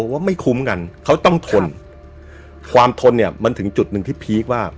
ว่าไม่คุ้มกันเขาต้องทนความทนเนี่ยมันถึงจุดหนึ่งที่พีคว่า